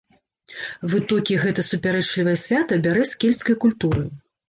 Вытокі гэта супярэчлівае свята бярэ з кельцкай культуры.